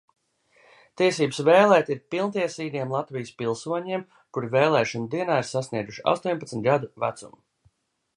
Tiesības vēlēt ir pilntiesīgiem Latvijas pilsoņiem, kuri vēlēšanu dienā ir sasnieguši astoņpadsmit gadu vecumu.